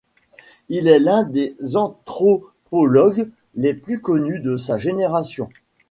Il est l'un des anthropologues les plus connus de sa génération.